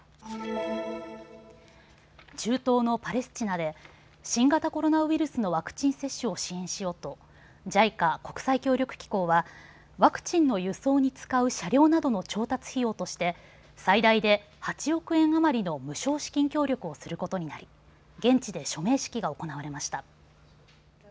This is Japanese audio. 中東のパレスチナで新型コロナウイルスのワクチン接種を支援しようとＪＩＣＡ・国際協力機構はワクチンの輸送に使う車両などの調達費用として最大で８億円余りの無償資金協力をすることになり現地で署名式が行われました。